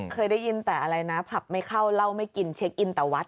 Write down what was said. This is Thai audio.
เคยได้ยินแต่อะไรนะผักไม่เข้าเหล้าไม่กินเช็คอินแต่วัด